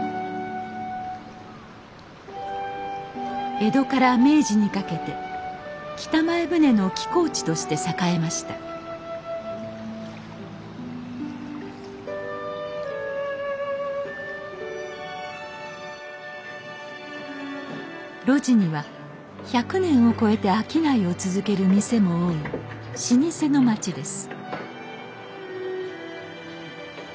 江戸から明治にかけて北前船の寄港地として栄えました路地には１００年を超えて商いを続ける店も多い老舗の町です